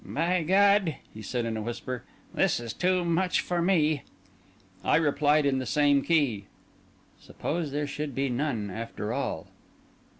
"By God," he said in a whisper, "this is too much for me!" I replied in the same key: "Suppose there should be none, after all!"